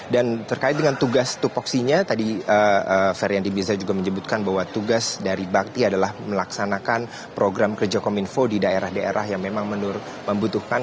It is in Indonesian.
dan terkait dengan tugas tupoksinya tadi feryandi mirza juga menyebutkan bahwa tugas dari bakti adalah melaksanakan program kerja kominfo di daerah daerah yang memang membutuhkan